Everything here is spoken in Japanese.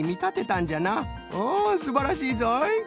うんすばらしいぞい！